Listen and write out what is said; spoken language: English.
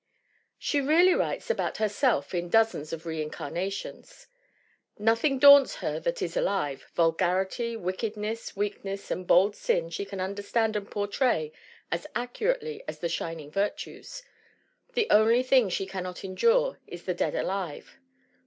She really writes about herself in dozens of reincarnations. Nothing daunts her that is alive vulgarity, wickedness, weak ness and bold sin she can understand and portray as accurately as the shining virtues. The only thing she cannot endure is the dead alive.